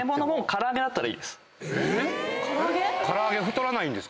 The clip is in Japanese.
⁉唐揚げ太らないんですか？